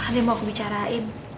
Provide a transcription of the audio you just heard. ada yang mau aku bicarain